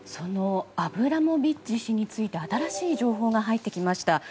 アブラモビッチ氏について新しい情報が入ってきました。